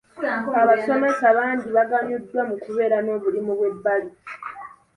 Abasomesa bangi baganyuddwa mu kubeera n'obulimu bw'ebbali.